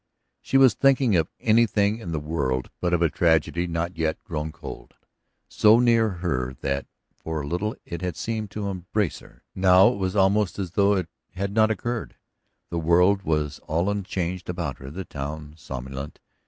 ... She was thinking of anything in the world but of a tragedy not yet grown cold, so near her that for a little it had seemed to embrace her. Now it was almost as though it had not occurred. The world was all unchanged about her, the town somnolent.